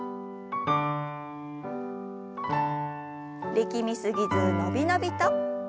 力み過ぎず伸び伸びと。